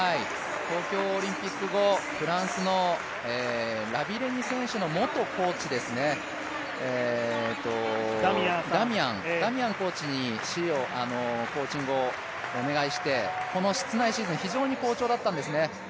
東京オリンピック後、フランスのラビレニ選手の元コーチですね、ダミアンコーチにコーチングをお願いしてこの室内シーズン非常に好調だったんですね。